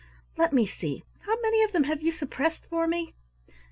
Let me see, how many of them have you suppressed for me?"